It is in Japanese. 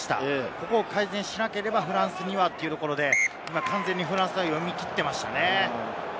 ここを改善しなければフランスにはというところで、完全にフランスは読み取っていましたね。